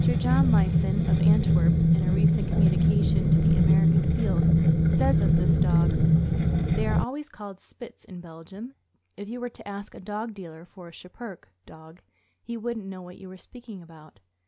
John Lysen, of Antwerp, in a recent communication to the American Field, says of this dog: They are always called "Spits" in Belgium, and if you were to ask a dog dealer for a " Schipperke " dog, he wouldn't know what you were speaking about.